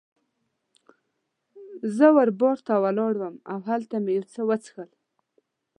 زه وه بار ته ولاړم او هلته مې یو څه وڅښل.